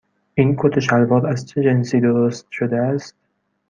این کت و شلوار از چه جنسی درست شده است؟